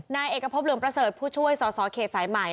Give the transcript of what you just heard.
หน้าเอกพบเรืองประเสริฐผู้ช่วยสอเคสสายหมาย